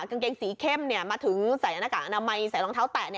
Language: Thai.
กางเกงสีเข้มแล้วมาถึงใส่ลงเท้าแตะ